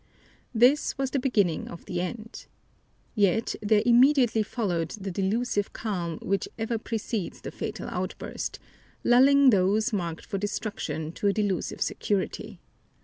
This was the beginning of the end. Yet there immediately followed the delusive calm which ever precedes the fatal outburst, lulling those marked for destruction to a delusive security.